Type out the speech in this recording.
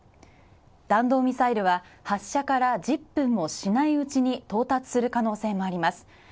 弾道ミサイルは発射から１０分もしないうちに到達する可能性もあります。